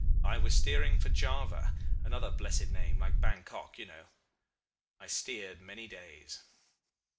I was steering for Java another blessed name like Bankok, you know. I steered many days.